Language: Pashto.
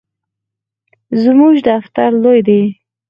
زموږ دفتر لوی دی